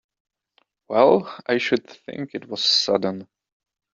Well I should think it was sudden!